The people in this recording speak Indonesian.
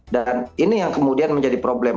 dan ini yang kemudian menjadi problem